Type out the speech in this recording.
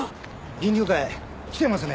銀龍会来てますね。